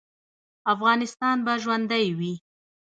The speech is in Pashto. افغانستان به ژوندی وي